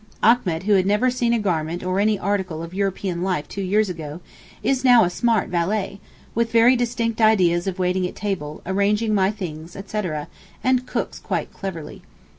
Achmet, who had never seen a garment or any article of European life two years ago, is now a smart valet, with very distinct ideas of waiting at table, arranging my things etc. and cooks quite cleverly.